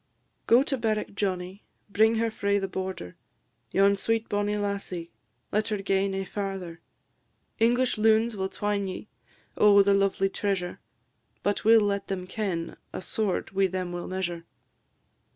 GO TO BERWICK, JOHNNIE. Go to Berwick, Johnnie; Bring her frae the Border; Yon sweet bonnie lassie, Let her gae nae farther. English loons will twine ye O' the lovely treasure; But we 'll let them ken A sword wi' them we 'll measure.